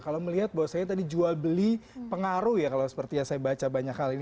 kalau melihat bahwasanya tadi jual beli pengaruh ya kalau seperti yang saya baca banyak hal ini